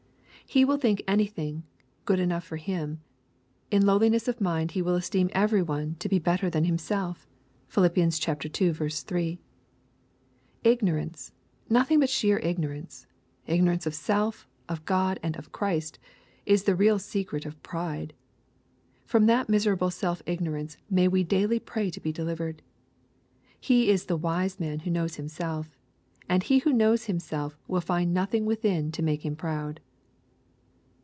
He will think anything good enough for him. In low liness of mind he will esteem every one else to be better than himself. (Philip, ii. 3.) Ignorance — nothing but sheer ignorance — ignorance of self, of God, and of Christ, is the real secret of pride. From that miserable self ignorance may we daily pray to be delivered I He is the wise man who knows himself ;— and he who knows him self, will find nothing within to make him proud.